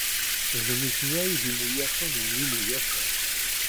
D nitni ay d imuyafen n yimuyafen.